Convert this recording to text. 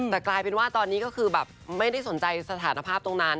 แต่กลายเป็นว่าตอนนี้ก็คือแบบไม่ได้สนใจสถานภาพตรงนั้น